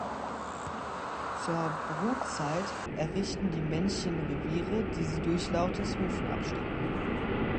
Zur Brutzeit errichten die Männchen Reviere, die sie durch lautes Rufen abstecken.